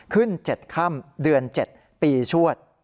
๗ค่ำเดือน๗ปีชวด